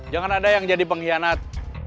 jangan ada yang jadi pengkhianat